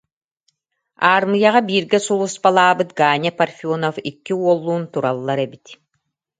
аармыйаҕа бииргэ сулууспалаабыт Ганя Парфенов икки уоллуун тураллар эбит